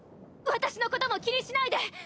私のことも気にしないで！